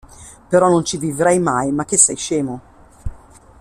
Però non ci vivrei mai, ma che sei scemo.